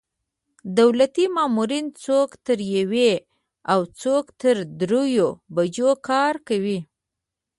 دولتي مامورین څوک تر یوې او څوک تر درېیو بجو کار کوي.